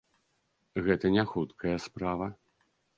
Гэта не хуткая справа.